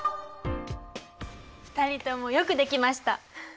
２人ともよくできました。